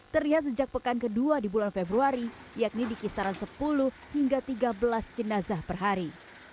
terlihat sejak pekan kedua di bulan februari yakni di kisaran sepuluh hingga tiga belas jenazah per hari